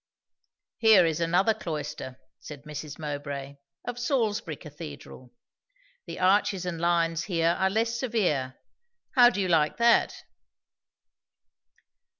"Here is another cloister," said Mrs. Mowbray; "of Salisbury cathedral. The arches and lines here are less severe. How do you like that?"